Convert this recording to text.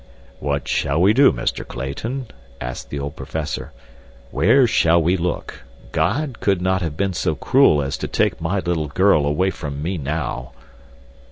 "What shall we do, Mr. Clayton?" asked the old professor. "Where shall we look? God could not have been so cruel as to take my little girl away from me now."